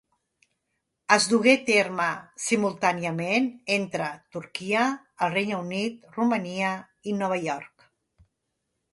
Es dugué a terme simultàniament entre Turquia, el Regne Unit, Romania i Nova York.